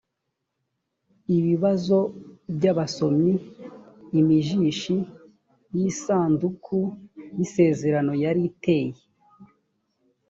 ibibazo by abasomyi imijishi y isanduku y isezerano yari iteye